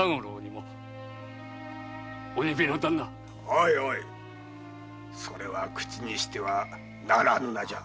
おいおいそれは口にしてはならぬ名じゃ。